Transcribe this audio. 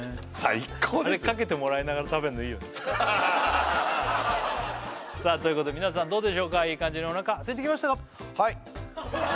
あれかけてもらいながら食べんのいいよねさあということで皆さんどうでしょうかいい感じにお腹すいてきましたか？